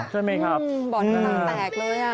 ลูกสาวใช่ไหมครับอืมบ่อนทางแตกเลยอ่ะ